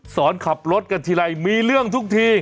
ขับรถกันทีไรมีเรื่องทุกที